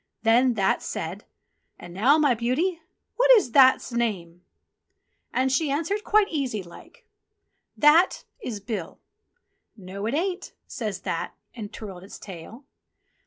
Then That said, "And now, my beauty, what is That's name ?" And she answered quite easy like : "That is Bill." "No, it ain't," says That, and twirled its tail.